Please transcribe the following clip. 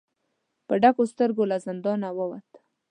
په ډکو سترګو له زندانه ووت.